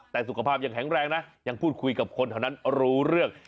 แต่สุขภาพยังแข็งแรงนะยังพูดคุยกับคนแถวนั้นรู้เรื่อง